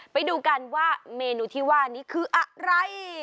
ไปดูกันว่าเมนูที่ว่านี้คืออะไร